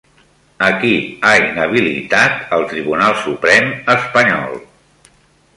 A qui ha inhabilitat el Tribunal Suprem espanyol?